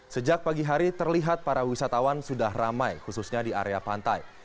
sejak pagi hari terlihat para wisatawan sudah ramai khususnya di area pantai